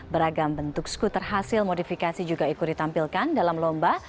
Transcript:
beragam bentuk skuter hasil modifikasi juga ikut ditampilkan dalam lomba